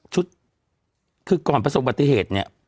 คือก่อนประสบปฏิเหตุเนี่ย